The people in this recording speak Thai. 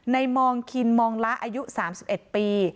มองคินมองละอายุ๓๑ปี